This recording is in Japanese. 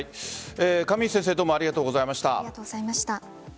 上石先生どうもありがとうございました。